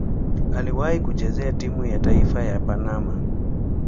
Aliwahi kucheza timu ya taifa ya Panama.